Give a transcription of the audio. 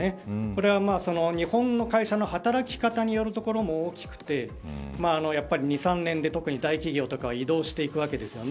これは日本の会社の働き方によるところも大きくて２、３年で特に大企業とかは移動していくわけです。